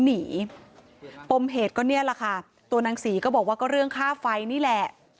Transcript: หนีปมเหตุก็เนี่ยแหละค่ะตัวนางศรีก็บอกว่าก็เรื่องค่าไฟนี่แหละ